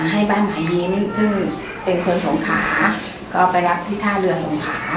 ให้บ้านหมายยิ้มซึ่งเป็นคนสงขาก็ไปรับที่ท่าเรือสงขา